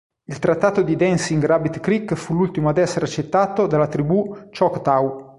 Il trattato di Dancing Rabbit Creek fu l'ultimo ad essere accettato dalla tribù Choctaw.